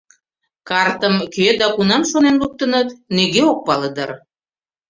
Картым кӧ да кунам шонен луктыныт, нигӧ ок пале дыр.